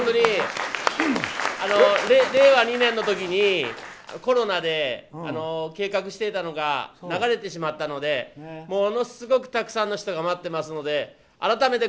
令和２年のときにコロナで計画していたのが流れてしまったのでものすごくたくさんの人が待ってますので改めて、